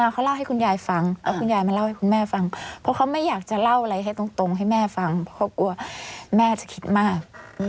เพราะเขาไม่อยากจะเล่าอะไรให้ตรงให้แม่ฟังเพราะเขากลัวแม่จะคิดมาก